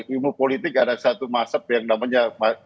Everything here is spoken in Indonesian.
imbu politik ada satu masak yang namanya